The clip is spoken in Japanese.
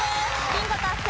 ビンゴ達成